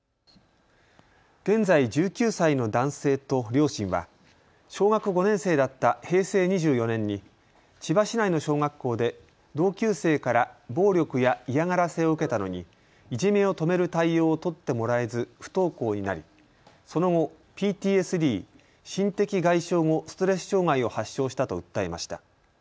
現在１９歳の男性と両親は小学５年生だった平成２４年に千葉市内の小学校で同級生から暴力や嫌がらせを受けたのにいじめを止める対応を取ってもらえず不登校になりその後、ＰＴＳＤ・心的外傷後ストレス障害を発症したと訴えました。